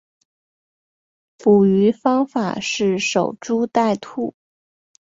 捕鱼方法是守株待兔。